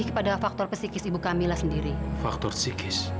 kemarin kamu masuk rumah sakit